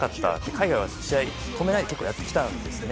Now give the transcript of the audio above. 海外は試合を止めないで結構やってきたんですね。